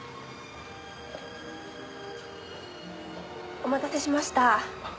お待たせしました。